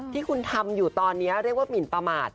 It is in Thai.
ที่คุณทำอยู่ตอนนี้เรียกว่าหมินประมาท